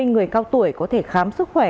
người cao tuổi có thể khám sức khỏe